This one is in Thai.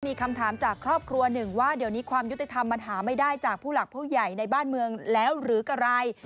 มีคำถามจากครอบครัวหนึ่งว่าเดี๋ยวนี้ความยุติธรรมมันหาไม่ได้จากผู้หลักผู้ใหญ่ในบ้านเมืองแล้วหรืออะไร